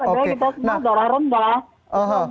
padahal kita semua darah rendah